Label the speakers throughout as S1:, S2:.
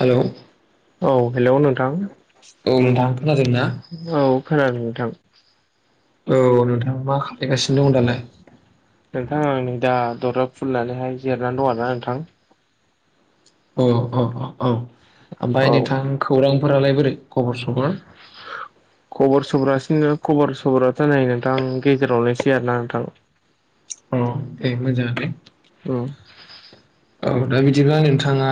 S1: Hello
S2: औ hello नोंथां
S1: नोंथां खोनादोंना
S2: औ खोनादों नोंथां।
S1: औ नोंथाङा मा खालायगासिनो दङ' दालाय?
S2: आङो दा दरजा खुलिनानैहाय जिरनानै दं आरोना नोंथां।
S1: औ औ औ औ
S2: औ
S1: ओमफ्राय नोंथां खौरां फोरालाय बोरै खबर सबर?
S2: खबर सबरासिनो खबर सबराथ' नै नोंथां गेजेरावनायसै आरोना नोंथां।
S1: अ दे मोजाङानो।
S2: ओम।
S1: औ दा बिदिब्ला नोंथाङा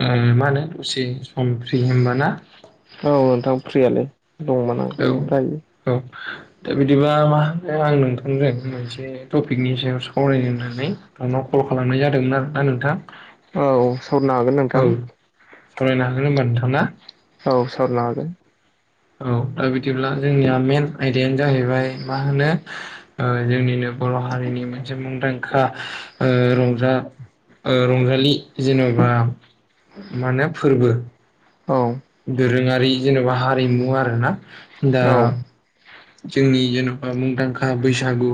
S1: मा ओ होनो दसे सम फ्रि होमबा ना?
S2: औ नोंथां फ्रियालाय दंमोन आं
S1: औ
S2: दायो।
S1: औ दा बिदिबा मा होनो आं नोंथांजों मोनसे टपिकनि सायाव सावरायनो होननानै नोंनाव कल खालामनाय जादोंमोन आरोना नोंथां।
S2: औ सावरायनो हागोन
S1: औौ
S2: नोंथां।
S1: सावरायनो हागोन होमबा नोंथां ना?
S2: औ सावरायनो हागोन।
S1: औ दा बिदिब्ला जोंनिया मेन आयदायानो जाहैबाय मा होनो ओ जोंनिनो बर' हारिनि मोनसे मुंदांखा ओ रंजा ओ रंजालि जेन'बा मा होनो फोरबो। दोरोङारि जेन'बा हारिमु आरोना दा
S2: हागोन औ
S1: जोंनि जेन'बा मुंदांखा बैसागु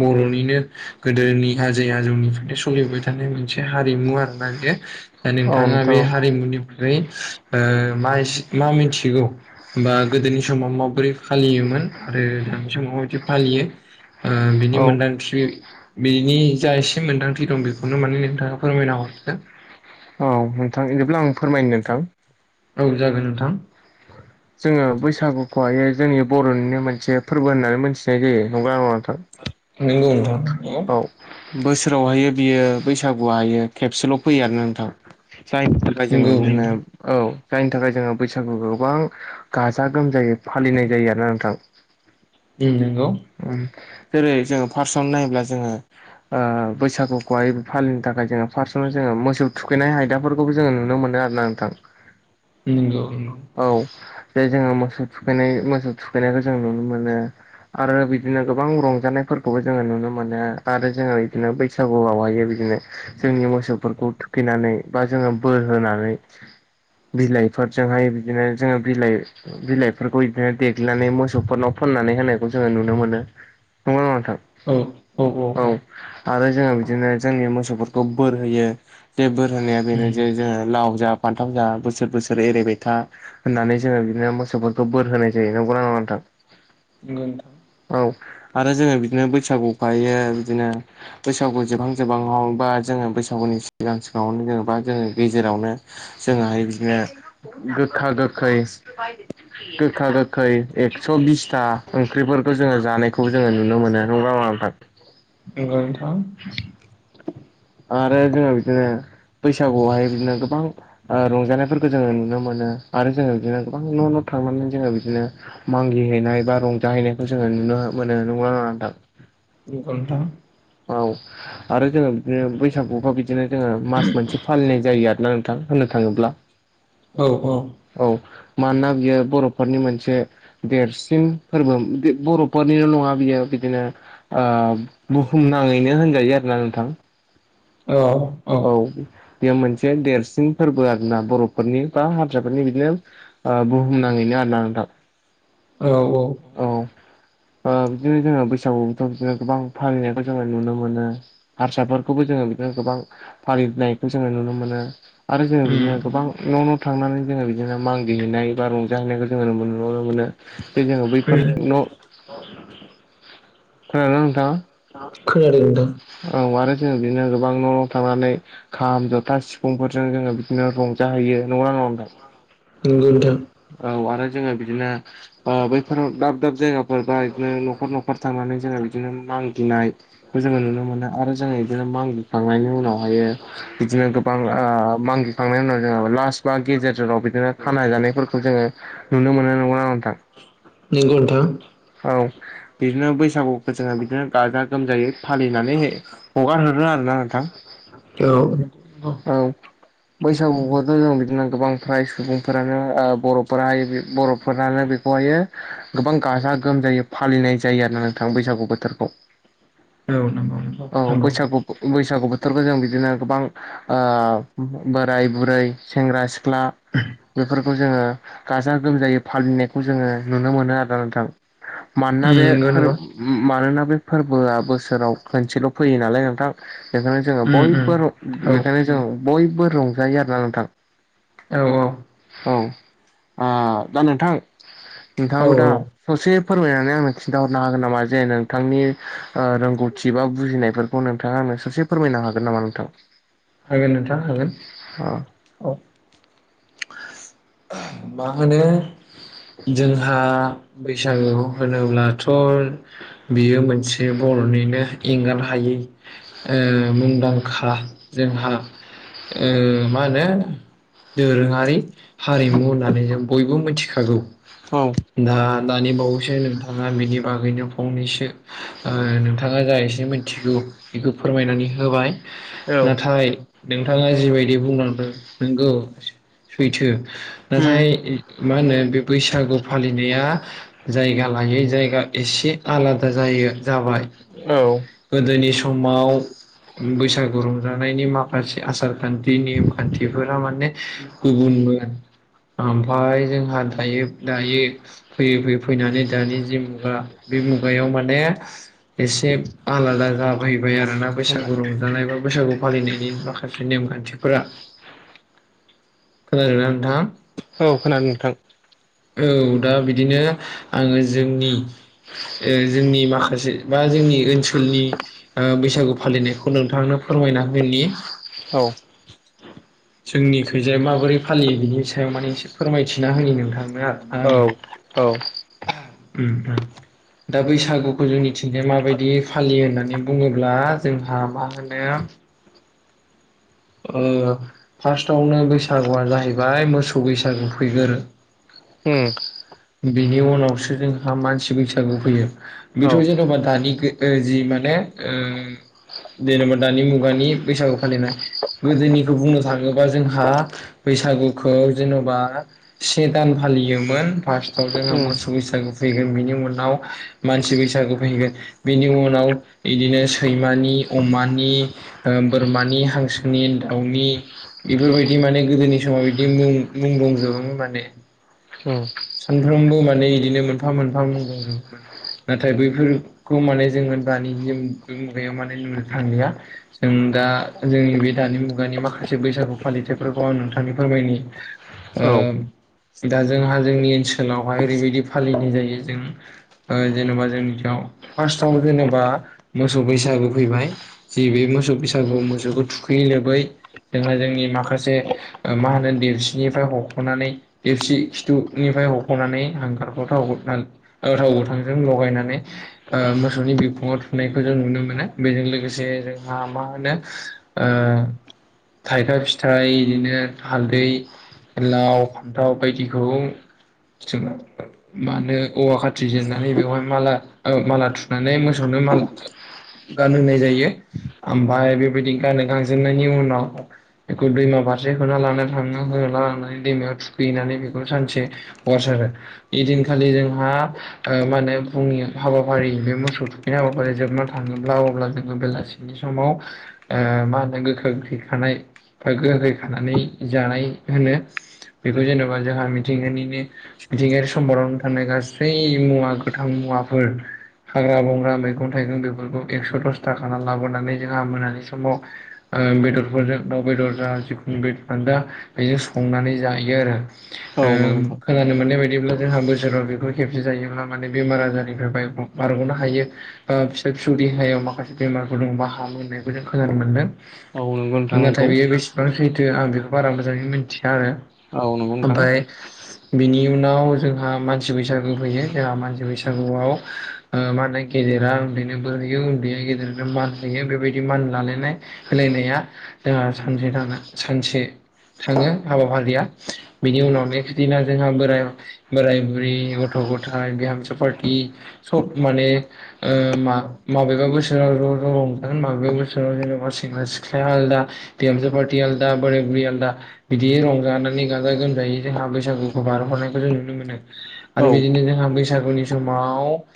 S1: बर'निनो गोदोनि आजै आजौनिफ्राय सोलिबाय थानाय मोनसे हारिमु आरोना बेयो। दा
S2: औ
S1: नोंथाङा
S2: नोंथां
S1: बे हारिमुनिफ्राय ओ मा एसे मा मिथिगौ बा गोदोनि समाव माबोरै फालियोमोन आरो दानि समाव माबादि फालियो ओ बिनि
S2: औ औ
S1: मोन्दांथि बिनि जा एसे मोन्दांथि दं बेखौनो माने नोंथाङा फोरमायना हरदो।
S2: औ नोंथां बिदिब्ला आं फोरमायनो नोंथां।
S1: औ जागोन नोंथां।
S2: जोङो बैसागुखौहाय जोंनि बर'निनो मोनसे फोरबो होननानै मोनथिनाय जायो। नंगौना नङा नोंथां?
S1: नोंगौ नोंथां।
S2: औ
S1: नंगौ
S2: बोसोरावहायो बियो बैसागुवाहायो खेबसेल' फैयो आरोना नोंथां। जायनि थाखाय
S1: नंगौ
S2: जोङो बिदिनो
S1: नोंथां
S2: औ जायनि थाखाय जोङो बैसागुखौ गोबां गाजा गोमजायै फालिनाय जायो आरोना नोंथां।
S1: उम नों
S2: उम। जेरै जोङो फार्स्टआवनो नायोब्ला जोङो ओ बैसागुखौहाय फालिनो थाखाय जोङो फार्स्टआवनो जोङो ओम मोसौ थुखैनाय आयदाफोरखौबो जोङो नुनो मोनो आरो ना नोंथां।
S1: ओम नोंगौ नोंगौ।
S2: बे जोङो मोसौ थुखैनाय मोसौ थुखैनायखौ जों नुनो मोनो। आरो बिदिनो गोबां रंजानायफोरखौबो जोङो नुनो मोनो आरो जोङो बिदिनो बैसागुआवहाय बिदिनो जोंनि मोसौफोरखौ थुखैनानै बा जोङो बोर होनानै बिलाइफोरजोंहाय बिदिनो जोङो बिलाइ बिलाइफोरखौ बिदिनो देग्लिनानै मोसौफोरनाव फोननानै होनायखौ जोङो नुनो मोनो नंगौना नङा नोंथां? औ आरो जोङो बिदिनो जोंनि मोसौफोरखौ बोर होयो। जे बोर होनाया बेनो
S1: औ
S2: जे जोंहा लाव जा फानथाम जा बोसोर बोसोर एरायबाय था होननानै जोङो बिदिनो मोसौफोरखौ बोर होनाय जायो। नंगौना नङा नोंथां? [inaudible]
S1: नोंगौ नोंथां।
S2: औ आरो जोङो बिदिनो बैसागुखौ हायो बिदिनो बैसागु जोबहां जोबहाङाव बा जोङो बैसागु नि सिगां सिगाङावनो जेनेबा जोङो गेजेरावनो जोङोहाय बिदिनो गोखा गोखै गोखा गोखै एक्स' बिसथा ओंख्रिफोरखौ जोङो जानायखौबो जोङो नुनो मोनो। नोंगौ ना नङा नोंथां?
S1: नोंगौ नोंथां।
S2: आरो जोङो बिदिनो बैसागुआवहाय बिदिनो गोबां रंजानायफोरखौ जोङो नुनो मोनो। आरो जोङो बिदिनो गोबां न' न' थांनानै जोङो बिदिनो मागि हैनाय बा रंजाहैनायखौ जोङो नुनो मोनो नंगौना नङा नोंथां?
S1: नोंगौ नोंथां।
S2: औ आरो जोङो बिदिनो बैसागु अबा बिदि नो जोङो मास मोनसे फालिनाय जायो आरोना नोंथां होननो थाङोब्ला।
S1: औ
S2: औ। मानोना बियो बर'फोरनि मोनसे देरसिन फोरबो बर'फोरनिल' नङा बियो बिदिनो ओ बुहुमनाङैनो होनजायो आरोना नोंथां।
S1: औ
S2: औ बेयो मोनसे देरसिन फोरबो आरोना बर'फोरनि बा हास्राफोरनि बिदिनो बुहुम नाङैनो आरोना नोंथां
S1: औ औ।
S2: बिदिनो जोङो बैसागुखौथ बिदिनो गोबां फालिनायखौ जोङो नुनो मोनो हारसाफोरखौबो जोङो गोबां फालिनायखौ जोङो नुनो मोनो आरो जों
S1: उम
S2: बिदिनो गोबां न' न' थांनानै जोङो बिदिनो मागि हैनाय बा रंजाहैनायखौ जों नुनो मोनो। जोङो बैफोर न'
S1: [inaudible]
S2: खोनादोंना नोंथाङा?
S1: खोनादों नोंथां।
S2: औ आरो जों बिदिनो गोबां न' न' थांनानै खाम जथा सिफुंफोरजों जोङो बिदिनो रंजाहैयो नंगौना [inaudible]
S1: नोंगौ नोंथां
S2: औ आरो जोङो बिदिनो बैफोराव दाब दाब जायगा फोरबा बिदिनो न'खर न'खर थांनानै जोङो बिदिनो मागियो मागिनायखौ जोङो नुनो मोनो आरो जोङो बिदिनो मागि खांनायनि उनावहायो बिदिनो गोबां ओ मागिखांनायनि उनाव जो लास बा गेजेराव बिदिनो खाना जानायफोरखौ जोङो नुनो मोनो नंगौना नङा नोंथां?
S1: नंगौ नोंथां नंगौ नोंथां
S2: औ बिदिनो बैसागुखौ जोङो बिदिनो गाजा गोमजायै फालिनानै हगारहरो आरोना नोंथां।
S1: औ
S2: औ बैसागुखौथ' जों बिदिनो गोबां फ्राय सुबुंफोरानो बर'फोराहाय बर'फोरानो बेखौहायो गोबां गाजा गोमजायै फालिनाय जायो आरोना नोंथां बैसागु बोथोरखौ
S1: नंगौ नंगौ
S2: औ
S1: नंगौ
S2: बैसागु बैसागु बो जों बिदिनो गोबां ओ बोराइ बुरै सेंग्रा सिख्ला सिख्ला बेफोरखौ जोङो गाजा गोमजायै फालिनायखौ जोङो नुनो मोनो आरोना नोंथां। मानोना
S1: उम नंगौ
S2: बेफोर
S1: नंगौ
S2: मानोना बे फोरबोआ बोसोराव खनसेल' फैयो नालाय नोंथां। बेखायनो जोङो
S1: उम उम
S2: बयबो
S1: औ
S2: बेखायनो जों बयबो रंजायो आरोना नोंथां।
S1: औ औ
S2: औ ओ दा नोंथां।
S1: औ
S2: नोंथाङाबो दा ससे फोरमायनानै आंनो खिन्था हरनो हागोन नामा जे नोंथांनि रोंगौथि बा बुजिनायफोरखौ नोंथाङा आंनो ससे फोरमायनो हागोन नामा नोंथां?
S1: हागोन नोंथां हागोन
S2: औ
S1: औ। मा होनो जोंहा बैसागु होनोब्लाथ' बियो मोनसे बर' निनो एंगार हायै मुंदांखा जोंहा ओ मा होनो दोरोङारि हारिमु होननानै जों बयबो मिथिखागौ
S2: औ
S1: दा‌ दानि बावैसो नोंथाङा बेनि बागैनो फंनैसो ओ नोंथाङा जा एसे मिथिगौ बेखौ फोरमायनानै होबाय। नाथाय नोंथाङा जिबायदि बुंलांदों नोंगौ सैथो।
S2: उम
S1: नाथाय मा होनो बे बैसागु फालिनाया जायगा लायै जायगा एसे आलादा जायो जाबाय।
S2: औ
S1: गोदोनि समाव बैसागु रंजानायनि माखासे आसार खान्थि नेम खान्थिफोरा माने गुबुन मोन। आमफाय जोंहा दायो दायो फैयै फैयै फैनानै दानि जि मुगा बे मुगायाव माने एसे आलादा जाफैबाय आरोना बैसागु रंजानाय बाबो बैसागु फालिनायनि माखासे नेमखान्थिफोरा खोनादों ना नोंथाङा?
S2: औ खोनादों नोंथां।
S1: औ दा बिदिनो आङो जोंनि ओ जोंनि ओ जोंनि माखा से बा जोंनि ओनसोलनि ओ बैसागु फालिनायखौ नोंथांनो फोरमायना होनि।
S2: औ।
S1: जोंनि खैजाय माबोरै फालियो बिनि सायाव माने एसे फोरमायथिना होनि नोंथां।
S2: औ औ।
S1: उम उम। दा बैसागुखौ जोंनि थिंजाय माबायदि फालियो होननानै बुङोब्ला जोंहा मा होनो [unintelligible] ओ फार्स्टआवनो बैसागुआ जाहैबाय मोसौ बैसागु फैगोरो।
S2: उम
S1: बिनि उनावसो जोंहा मानसि बैसागु फैयो बेथ'
S2: औ
S1: जेन'बा दानि गो ओ जि माने ओ जेनेबा दानि मुगानि बैसागु फालिनाय। गोदोनिखौ बुंनो थाङोबा जोंहा बैसागुखौ जेन'बा से दान फा लियोमोन फार्स्थआव जोङो मोसौ बैसागु फैगोन, बिनि उनाव मानसि बैसागु फैगोन, बिनि उनाव बिदिनो सैमानि अमानि ओ बोरमानि, हांसोनि, दाउनि बेफोरबायदि माने गोदोनि समाव बिदि मुं मुं दंजोबोमोन माने। सानफ्रोमबो माने बिदिनो मोनफा मोनफा मुं दंजुबोमोन। नाथाय बैफोरखौ माने जोङो दानि जों बे मुगायाव माने नुनो थांलिया जों दा जोंनि बे दानि मुगानि माखासे बैसागु फालिथाइफोरखौ आं नोंथांनो फोरमायनि। ओ दा जोंहा जोंनि ओनसोलावहाय ओरैबायदि फालिनाय जायो जों ओ जेनेबा जोंनिथियाव फार्स्टआवनो जेनेबा मोसौ बैसागु फैबाय जि बे मोसौ बैसागुआव मोसौखौ थुखैयै लोबै जोंहा जोंनि माखासे मा होनो देेरसिननिफ्राय हख'नानै देरसि ननिफ्राय हख'नानै हांगारखौखौ थाव गोथां ओ थाव गोथांजों लगायनानै ओ मोसौनि बिखुङाव थुनायखौ जों नुनो मोनो बेजों लोगोसे जोंहा मा होनो ओ थाइखा फिथाइ बिदिनो हालदै, लाव, फान्थाव बायदि खौ मानो औवा खाथि जेननानै बेवहाय माला ओ माला थुनानै मोसौ नो माला गानहोनाय जायो। आमफाय बेबायदि गानहो गांजोबनायनि उनाव बेखौ दैमा फारसे होना लाना थाङो। होना लांनानै दैमायाव थुखैनानै बे खौ सानसे हगारसारो ऐदिनखालि जोंहा ओ मा होनो फुंनि हाबाफारि बे मोसौ थुखैनाय हाबाफारि जोबनानै थाङोब्ला अब्ला जोङो बेलासिनि समाव ओ मा होनो गो खा गोैखै खानाय ओ गोखै खानानै जानाय होनो बेखौ जेनेबा जोंहा मिथिंगानिनो मिथिंगायारि सम्पदावनो थानाय गासै मुवा, गोथां मुवाफोर हाग्रा बंग्रा, मैगं थाइगं बेफोरखौ एक्स' दसथा खाना लाबोनानै जोंहा मोनानि समाव ओ बेदरफोरजों दाउ बेदर जा जिखुनु दा बेजों संनानै जायो आरो, ओ
S2: उम उम
S1: खोनानो मोननाय बायदिब्ला जोंहा बोसोराव बेफोर खेबसे जायोब्ला माने बेमार आजारनिफ्राय बाय बारग'नो हायो ओ फिसा फिसौ देहायाव माखासे बेमारफोर दंङबा हामो होननायखौ जों खोनानो मोनदों,
S2: औ, नंगौ नोंथां। औ नंगौ नोंथां
S1: नाथाय
S2: नंगौ
S1: बेयो बेसेबां सैथो आं बेखौ बारा मोजांङै मिथिया आरो,
S2: औ नंगौ नोंथां।
S1: ओमफाय बिनि उनाव जोंहा मानसि बैसागु फैयो जोंहा मानसि बैसागुआव ओ मा होनोखि गेदेरा उन्दैनो बोर होयो, उन्दैया गेदेरनो मान होयो बेबायदि मान लालायनाय होलायनाया जोंहा सानसे थाना सानसे थांङो हाबाफारिया बिनि उनाव नेक्स दिना जोंहा बोराय-बोराय, बुरै, गथ'-गथाय बिहामजो पारति सब माने ओ मा माबेबा बोसोराव ज' ज' रंजागोन माबेबा बोसोराव जेनेबा सेंग्रा, सिख्ल आलादा, बिहामजो पारति आलदा, बोराय-बुरै आलदा, बिदियै रंजानानै गाजा-गोमजा जायै जोंहा बैसागुखौ बारहरनायखौ जों नुनो मोनो। आरो
S2: औ
S1: बिदिनो जोंहा बैसागुनि समाव ओ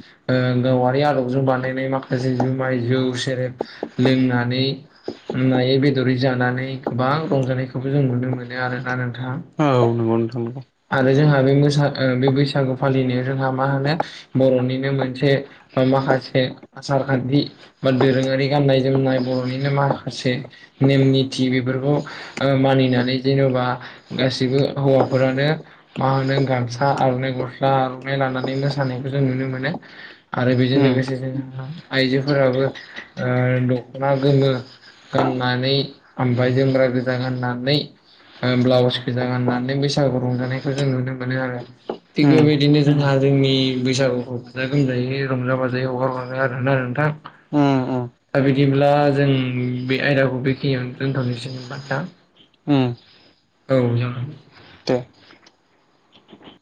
S1: गावारि आदबजों बानायनाय माखासे जुमाय जौ सेरेब लोंनानै नायै बेदरै जानानै गोबां रंजानायखौबो जों नुनो मोनो आरोना नोंथां,
S2: औ
S1: ।
S2: नंगौ नोंथां। नंगौ औ,
S1: आरो जोंहा बे मोसा बे बैसागु फालिनायाव जोंहा मा होनो बर'निनो मोनसे बा माखासे आसार खान्थि बा दोरोंङारि गाननाय जोमनाय बर'निनो माखासे नेम निथि बेफोरखौ ओ मानिनानै जेन'बा गासिबो हौवाफोरानो मा होनो गामसा, आर'नाइ गस्ला, आर'नाइ लानानै मोसानायखौ जों नुनो मोनो, । आरो बेजों
S2: उम
S1: लोगोसे जोंहा आइजोफोराबो ओ दख'ना गोमो गाननानै ओमफ्राय जोमग्रा गोजा गाननानै, ओ ब्लाउस गोजा गाननानै, गानानै बैसागु रंजानायखौ जों नुनो मोनो आरो। थिग
S2: उम
S1: बेबायदिनो जोंहा जोंनि बैसागुखौ [inaudible] [unintelligible] रंजा बाजायै हगार हरो आरो आरो नोंथां,
S2: उम उम
S1: दा बिदिब्ला जों बे आयदाखौ बेखिय दोनथ'निसै ओमबा दा?
S2: ओं।
S1: औ जागोन,
S2: दे
S1: [inaudible]